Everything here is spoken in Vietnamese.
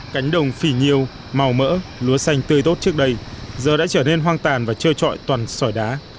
cánh đồng phỉ nhiêu màu mỡ lúa xanh tươi tốt trước đây giờ đã trở nên hoang tàn và trơ trọi toàn sỏi đá